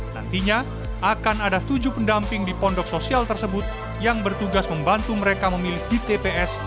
nantinya akan ada tujuh pendamping di pondok sosial tersebut yang bertugas membantu mereka memilih di tps